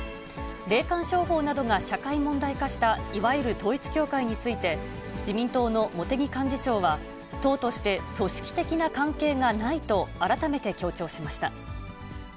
霊感商法などが社会問題化した、いわゆる統一教会について、自民党の茂木幹事長は、党として組織的な関係がないと、改めて強調しました。